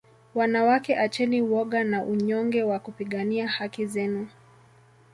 wanawake acheni woga na unyonge wa kupigania haki zenu